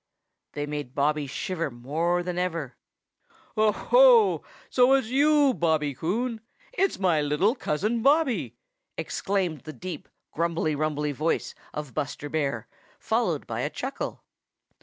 They made Bobby shiver more than ever. "Oh, ho! So it's you, Bobby Coon! It's my little Cousin Bobby!" exclaimed the deep, grumbly, rumbly voice of Buster Bear, followed by a chuckle.